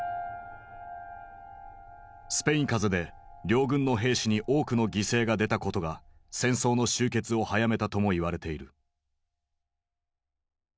スペイン風邪で両軍の兵士に多くの犠牲が出たことが戦争の終結を早めたとも言われている。